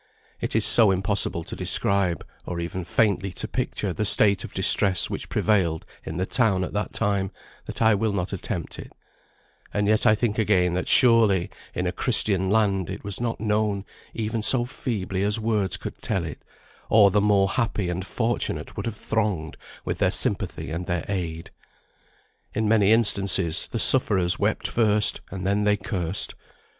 It is so impossible to describe, or even faintly to picture, the state of distress which prevailed in the town at that time, that I will not attempt it; and yet I think again that surely, in a Christian land, it was not known even so feebly as words could tell it, or the more happy and fortunate would have thronged with their sympathy and their aid. In many instances the sufferers wept first, and then they cursed.